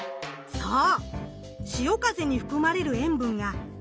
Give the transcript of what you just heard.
そう。